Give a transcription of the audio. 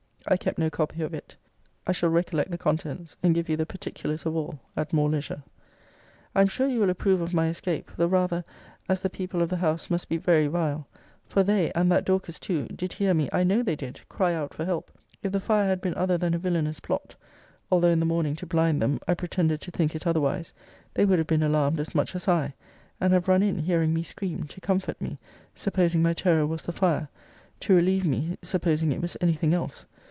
I kept no copy of it. I shall recollect the contents, and give you the particulars of all, at more leisure. I am sure you will approve of my escape the rather, as the people of the house must be very vile: for they, and that Dorcas too, did hear me (I know they did) cry out for help: if the fire had been other than a villanous plot (although in the morning, to blind them, I pretended to think it otherwise) they would have been alarmed as much as I; and have run in, hearing me scream, to comfort me, supposing my terror was the fire; to relieve me, supposing it was any thing else.